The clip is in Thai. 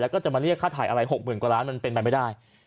แล้วก็จะมาเรียกค่าถ่ายอะไร๖๐๐๐กว่าล้านมันเป็นไปไม่ได้